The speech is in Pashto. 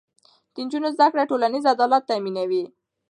د نجونو زده کړه ټولنیز عدالت تامینوي.